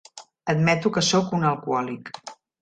Admeto que sóc un alcohòlic.